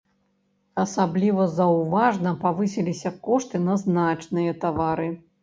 Асабліва заўважна павысіліся кошты на значныя тавары.